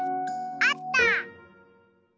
あった！